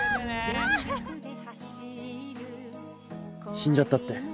・死んじゃったって。